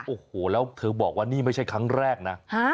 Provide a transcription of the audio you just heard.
โอ้โหแล้วเธอบอกว่านี่ไม่ใช่ครั้งแรกนะ